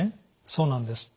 そうなんです。